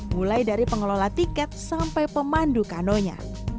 mulai dari pengelola tiket sampai pemandu kanonya